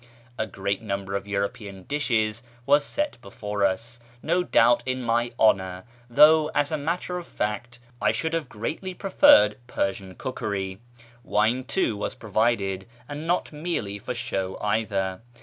A great number of European dishes was set before us, no doubt in my honour, though, as a matter of fact, I should have greatly preferred Persian cookery. Wine, too, was provided, and not merely for show either.